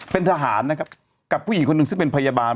เป็นทหารนะครับกับผู้หญิงคนหนึ่งซึ่งเป็นพยาบาล